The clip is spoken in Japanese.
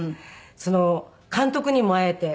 監督にも会えて。